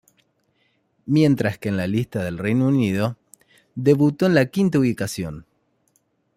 Mientras que en la lista del Reino Unido, debutó en la quinta ubicación.